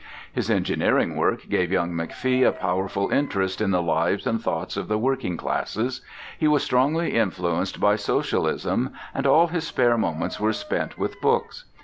His engineering work gave young McFee a powerful interest in the lives and thoughts of the working classes. He was strongly influenced by socialism, and all his spare moments were spent with books.